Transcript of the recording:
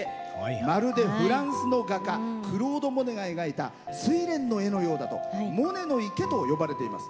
まるでフランスの画家クロード・モネが描いた「モネの池」と呼ばれています。